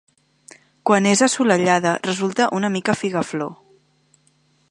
Quan és assolellada resulta una mica figaflor.